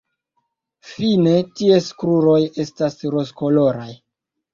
Fine ties kruroj estas rozkoloraj.